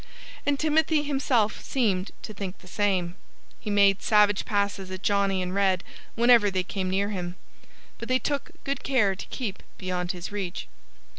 And Timothy himself seemed to think the same. He made savage passes at Johnnie and Red whenever they came near him. But they took good care to keep beyond his reach.